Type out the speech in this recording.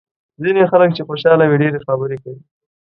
ځینې خلک چې خوشاله وي ډېرې خبرې کوي.